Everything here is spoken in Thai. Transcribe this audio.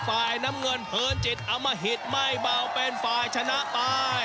ฝ่ายน้ำเงินเพลินจิตอมหิตไม่เบาเป็นฝ่ายชนะไป